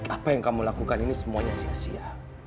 apa yang kamu lakukan ini semuanya sia sia